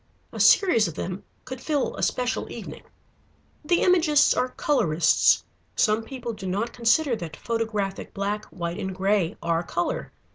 A series of them could fill a special evening. The Imagists are colorists. Some people do not consider that photographic black, white, and gray are color.